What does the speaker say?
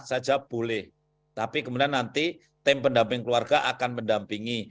saja boleh tapi kemudian nanti tim pendamping keluarga akan mendampingi